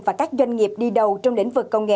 và các doanh nghiệp đi đầu trong lĩnh vực công nghệ